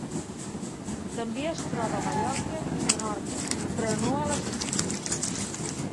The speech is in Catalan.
També es troba a Mallorca i Menorca però no a les Pitiüses.